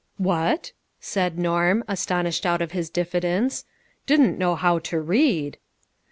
"What? "said Norm, astonished out of his diffidence ;" didn't know how to read